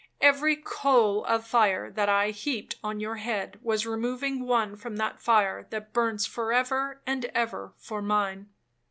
Every coal of fire that I heaped on your head, was removing one from that fire that burns for ever and ever for mine.